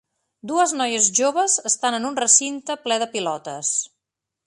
Dues noies joves estan en un recinte ple de pilotes.